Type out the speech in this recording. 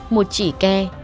một chỉ kè